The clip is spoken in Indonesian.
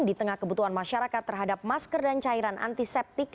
di tengah kebutuhan masyarakat terhadap masker dan cairan antiseptik